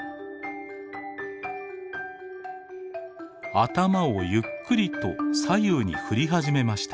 頭をゆっくりと左右に振り始めました。